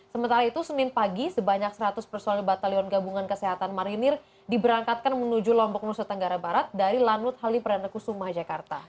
sementara itu senin pagi sebanyak seratus personil batalion gabungan kesehatan marinir diberangkatkan menuju lombok nusa tenggara barat dari lanut halim perdana kusuma jakarta